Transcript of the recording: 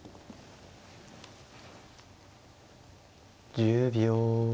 １０秒。